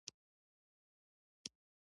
هغوی د همدې ولادت په اړه ډېر اندېښمن وو.